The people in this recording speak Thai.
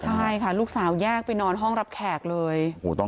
ใช่ค่ะลูกสาวแยกไปนอนห้องรับแขกเลย